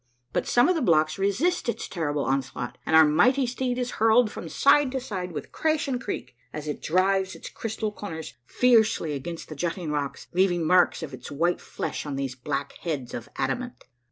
But some of the blocks resist its terrible onslaught and our mighty steed is hurled from side to side with crash and creak, as it drives its crystal corners fiercely against the jutting rocks, leaving marks of its white flesh on these black heads of adamant.